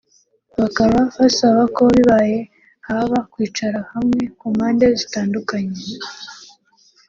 bakaba basaba ko bibaye haba kwicara hamwe ku mpande zitandukanye